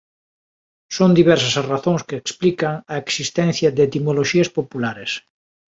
Son diversas as razóns que explican a existencia de etimoloxías populares.